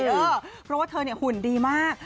เพราะว่าเธอหุ่นดีมาก